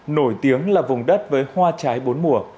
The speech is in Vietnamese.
nổi tiếng là vùng đất với hoa trái bốn mùa